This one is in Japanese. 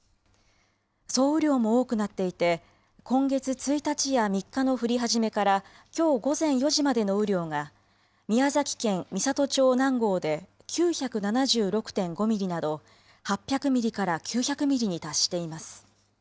総雨量も多くなっていて今月１日や３日の降り始めからきょう午前４時までの雨量が宮崎県美郷町南郷で９７６．５ミリなど８００ミリから９００ミリに達しています。